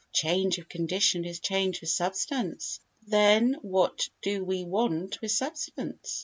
Change of condition is change of substance. Then what do we want with substance?